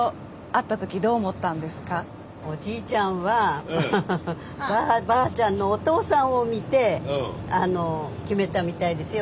おじいちゃんはばあちゃんのお父さんを見て決めたみたいですよ。